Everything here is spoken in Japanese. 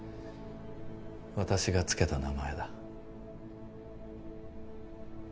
私が付けた名前だ。